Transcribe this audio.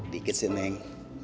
dikit sih neng